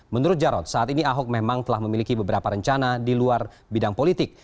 menurut jarod saat ini ahok memang telah memiliki beberapa rencana di luar bidang politik